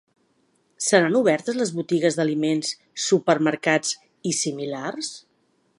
Seran obertes les botigues d’aliments, supermercats i similars?